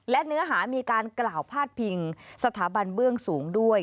และเนื้อหามีการกล่าวพาดพิงสถาบันเบื้องสูงด้วย